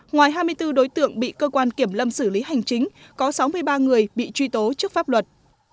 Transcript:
ngoài hai mươi bốn đối tượng bị cơ quan kiểm lâm xử lý hành chính có sáu mươi ba người bị truy tố trước pháp luật